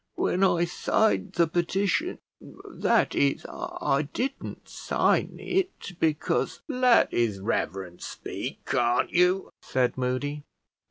When I signed the petition, that is, I didn't sign it, because " "Let his reverence speak, can't you?" said Moody.